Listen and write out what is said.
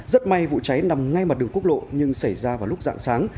rất may vụ cháy nằm ngay mặt đường quốc lộ nhưng xảy ra vào lúc dạng sáng